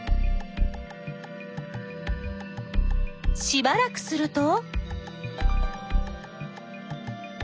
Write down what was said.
しばらくすると。